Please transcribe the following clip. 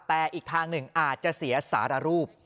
แต่อีกทางหนึ่งอาจจะเสียสารรูป